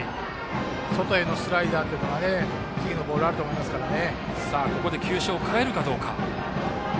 外へのスライダーというボールがあると思いますからね。